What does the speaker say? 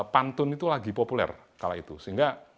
pantun itu lagi populer kala itu sehingga